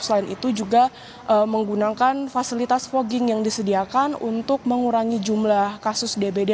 selain itu juga menggunakan fasilitas fogging yang disediakan untuk mengurangi jumlah kasus dbd